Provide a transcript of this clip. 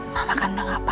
mama kan udah gak apa apa